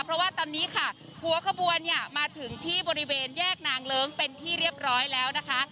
เพราะว่าตอนนี้ค่ะหัวขบวนเนี่ยมาถึงที่บริเวณแยกนางเลิ้งเป็นที่เรียบร้อยแล้วนะคะ